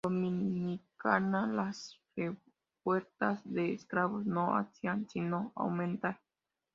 Dominicana-, las revueltas de esclavos no hacían sino aumentar.